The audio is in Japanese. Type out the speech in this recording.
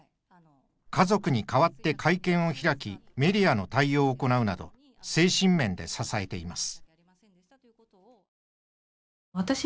家族に代わって会見を開きメディアの対応を行うなど精神面で支えています。